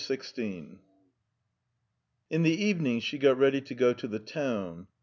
XVI In the evening she got ready to go to town.